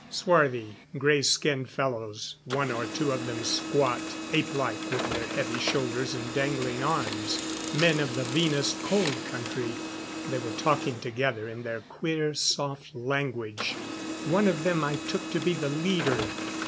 Swarthy, gray skinned fellows one or two of them squat, ape like with their heavy shoulders and dangling arms. Men of the Venus Cold Country. They were talking together in their queer, soft language. One of them I took to be the leader.